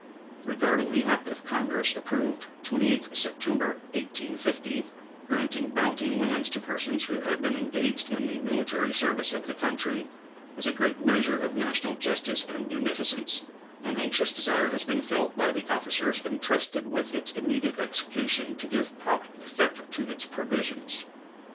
Regarding the act of Congress approved 28th September, 1850, granting bounty lands to persons who had been engaged in the military service of the country, as a great measure of national justice and munificence, an anxious desire has been felt by the officers intrusted with its immediate execution to give prompt effect to its provisions.